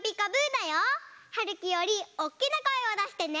だよ。はるきよりおっきなこえをだしてね。